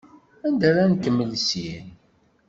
Anda ara nkemmel syin?